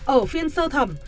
ở phiên sơ thẩm